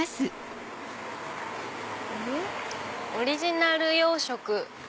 「オリジナル洋食」。